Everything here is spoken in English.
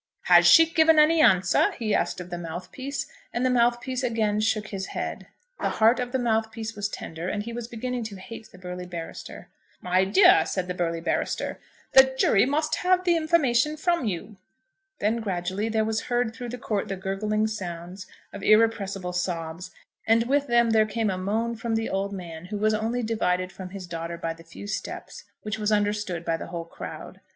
"Has she given any answer?" he asked of the mouthpiece; and the mouthpiece again shook his head. The heart of the mouthpiece was tender, and he was beginning to hate the burly barrister. "My dear," said the burly barrister, "the jury must have the information from you." Then gradually there was heard through the court the gurgling sounds of irrepressible sobs, and with them there came a moan from the old man, who was only divided from his daughter by the few steps, which was understood by the whole crowd.